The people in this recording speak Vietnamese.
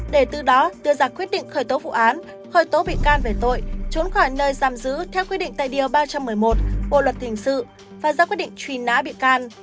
để từ đó đưa ra quyết định khởi tố vụ án khởi tố bị can về tội trốn khỏi nơi giam giữ theo quy định tại điều ba trăm một mươi một bộ luật hình sự và ra quyết định truy nã bị can